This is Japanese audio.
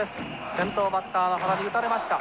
先頭バッターの羽田に打たれました。